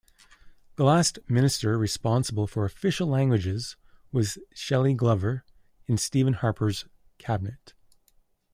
The last Minister responsible for Official Languages was Shelly Glover in Stephen Harper's Cabinet.